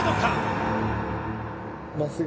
真っすぐ？